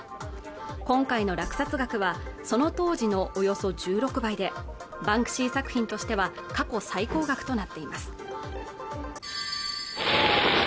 今回の落札額はその当時のおよそ１６倍でバンクシー作品としては過去最高額となっています